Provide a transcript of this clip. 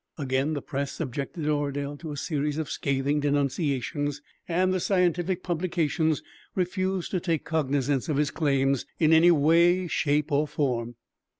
Again the press subjected Oradel to a series of scathing denunciations, and the scientific publications refused to take cognizance of his claims in any way, shape or form."